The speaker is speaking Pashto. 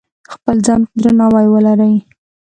خپل ځان ته درناوی ولرئ.